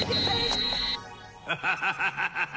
ハハハハハ